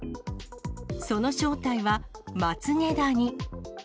その正体は、まつげダニ。